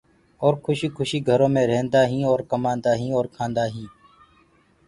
اور کُشيٚ کُشيٚ گھرو مي رهيندآ هينٚ اور ڪمآندا هينٚ اور کآندآ هينٚ۔